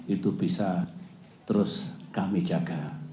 itu bisa terus kami jaga